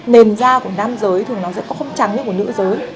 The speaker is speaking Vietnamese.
nền da của nam giới thường sẽ không trắng như của nữ giới